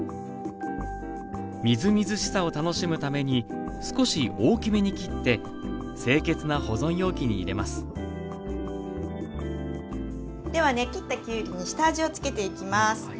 みずみずしさを楽しむために少し大きめに切って清潔な保存容器に入れますではね切ったきゅうりに下味を付けていきます。